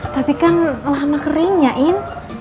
tapi kan lama kering ya in